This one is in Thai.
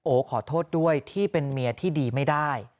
ขอโทษด้วยที่เป็นเมียที่ดีไม่ได้